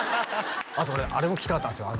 あと俺あれも聞きたかったんですよ